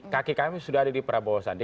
kaki kami sudah ada di prabowo sandi